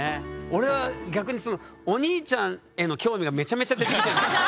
俺は逆にお兄ちゃんへの興味がめちゃめちゃ出てきてんだけど。